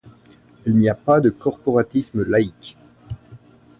Il n'y a pas de corporatisme laïque.